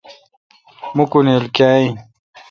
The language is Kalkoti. موکونلئہ کاں این